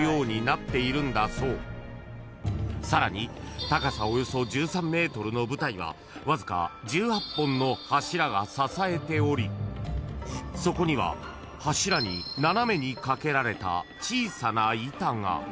［さらに高さおよそ１３ｍの舞台はわずか１８本の柱が支えておりそこには柱に斜めにかけられた小さな板が］